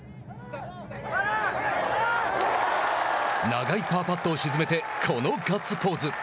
長いパーパットを沈めてこのガッツポーズ。